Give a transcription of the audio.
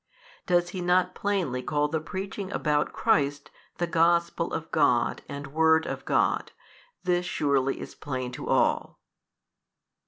Does he not plainly call the preaching about Christ the Gospel of God and word of God? this surely is plain to all.